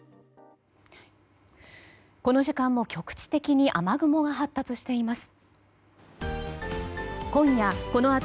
この時間も局地的に雨雲が発達しています。